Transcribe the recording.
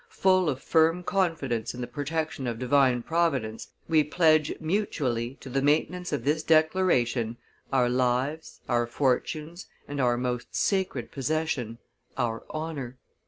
... Full of firm confidence in the protection of Divine Providence, we pledge, mutually, to the maintenance of this declaration our lives, our fortunes, and our most sacred possession, our honor."